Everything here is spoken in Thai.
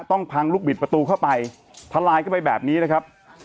ต้องพังลูกบิดประตูเข้าไปทลายเข้าไปแบบนี้นะครับ